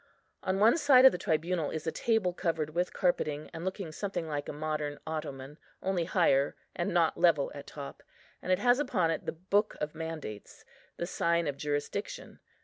On one side of the tribunal is a table covered with carpeting, and looking something like a modern ottoman, only higher, and not level at top; and it has upon it the Book of Mandates, the sign of jurisdiction.